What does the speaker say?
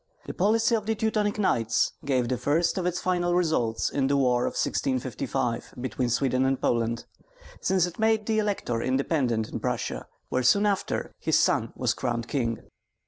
The policy of the Teutonic Knights gave the first of its final results in the war of 1655, between Sweden and Poland, since it made the elector independent in Prussia, where soon after, his son was crowned king.